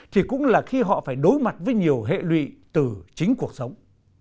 thì cũng là khi họ phải đối mặt với nhiều hệ lụy từ chính cuộc sống